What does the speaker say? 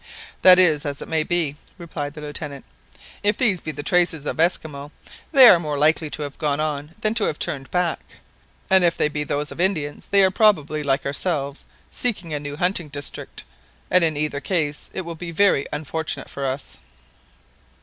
"That is as it may be," replied the Lieutenant. "If these be the traces of Esquimaux, they are more likely to have gone on than to have turned back; and if they be those of Indians, they are probably, like ourselves, seeking a new hunting district; and in either case it will be very unfortunate for us."